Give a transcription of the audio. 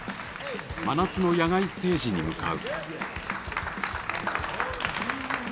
真夏の野外ステージに向かう。